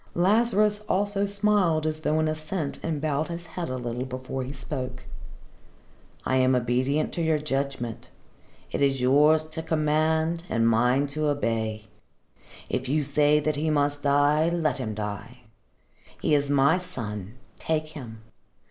Lazarus also smiled as though in assent, and bowed his head a little before he spoke. "I am obedient to your judgment. It is yours to command and mine to obey. If you say that he must die, let him die. He is my son. Take him.